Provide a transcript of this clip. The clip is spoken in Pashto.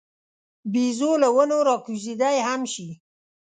بیزو له ونو راکوزېدای هم شي.